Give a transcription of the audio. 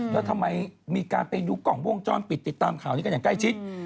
แล้วทำไมมีการไปดูกล้องวงจรปิดติดตามข่าวนี้กันอย่างใกล้ชิด